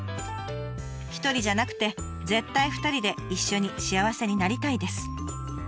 「１人じゃなくて絶対２人で一緒に幸せになりたいです」。